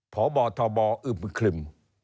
พอบ่อทอบออึมคลิม